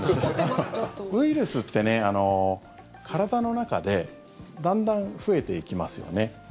ウイルスって、体の中でだんだん増えていきますよね。